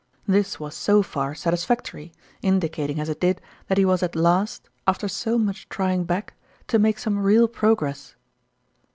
This was so far satisfactory, in dicating as it did that he was at last, after so much trying back, to make some real progress.